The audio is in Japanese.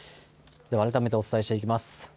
改めてお伝えしていきます。